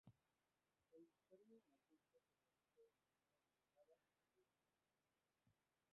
El descargue de la pesca se realiza de manera ordenada y limpia.